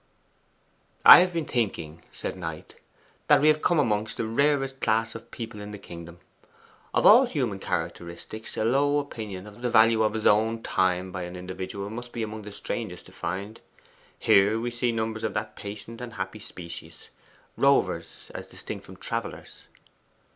'I have been thinking,' said Knight, 'that we have come amongst the rarest class of people in the kingdom. Of all human characteristics, a low opinion of the value of his own time by an individual must be among the strangest to find. Here we see numbers of that patient and happy species. Rovers, as distinct from travellers.